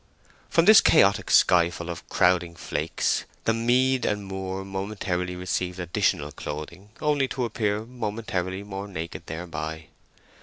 From this chaotic skyful of crowding flakes the mead and moor momentarily received additional clothing, only to appear momentarily more naked thereby.